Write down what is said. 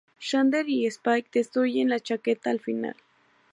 Xander y Spike destruyen la chaqueta al final.